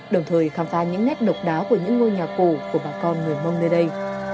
đồng thời khám phá những nét độc đáo của những ngôi nhà cổ của bà con người mông nơi đây